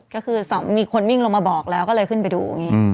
ก็คือมีคนวิ่งลงมาบอกแล้วก็เลยขึ้นไปดู